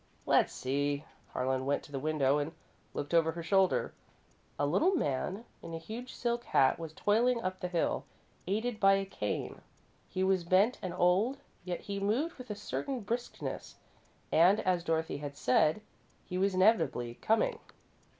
"Let's see." Harlan went to the window and looked over her shoulder. A little man in a huge silk hat was toiling up the hill, aided by a cane. He was bent and old, yet he moved with a certain briskness, and, as Dorothy had said, he was inevitably coming.